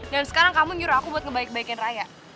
dan sekarang kamu nyuruh aku buat ngebaik baikin raya